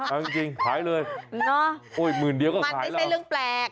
เอาจริงขายเลยโอ้ยหมื่นเดียวก็มันไม่ใช่เรื่องแปลก